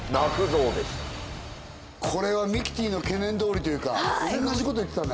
これはミキティの懸念どおりというか同じ事言ってたね。